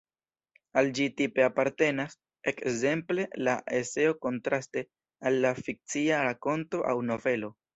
Al ĝi tipe apartenas, ekzemple, la eseo kontraste al la fikcia rakonto aŭ novelo.